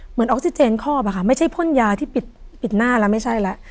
ออกซิเจนคอบอะค่ะไม่ใช่พ่นยาที่ปิดหน้าแล้วไม่ใช่แล้ว